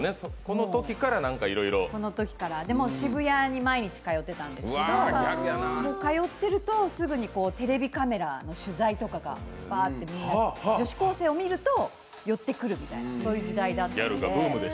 このときから、渋谷に毎日通ってたんですけど、通ってると、すぐにテレビカメラの取材とかが、女子高生を見ると寄ってくるみたいな時代だったので。